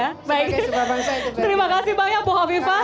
terima kasih banyak bukalifah